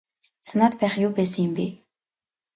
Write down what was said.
Санаад байх юу байсан юм бэ.